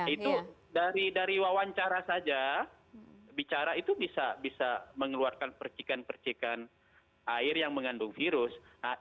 itu dari wawancara saja bicara itu bisa mengeluarkan percikan percikan air yang mengandung virus